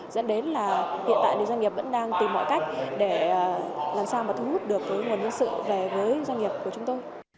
dẫn đến là hiện tại thì doanh nghiệp vẫn đang tìm mọi cách để làm sao mà thu hút được nguồn nhân sự về với doanh nghiệp của chúng tôi